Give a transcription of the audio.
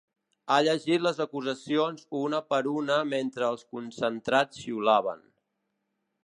Ha llegit les acusacions una per una mentre els concentrats xiulaven.